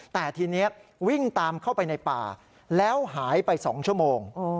แต่ทีนี้วิ่งตามเข้าไปในป่าแล้วหายไป๒ชั่วโมง